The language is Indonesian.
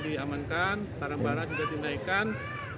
diamankan taram barang juga dinaikan